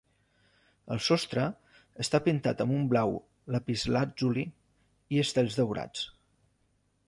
El sostre està pintat amb un blau lapislàtzuli i estels daurats.